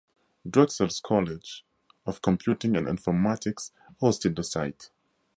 Drexel's College of Computing and Informatics hosted the site.